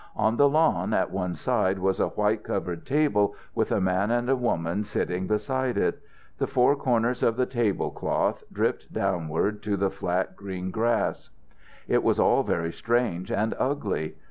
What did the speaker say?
On the lawn at one side was a white covered table, with a man and a woman sitting beside it. The four corners of the table cloth dripped downward to the flat green grass. It was all very strange and ugly.